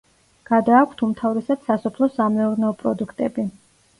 გადააქვთ უმთავრესად სასოფლო-სამეურნეო პროდუქტები.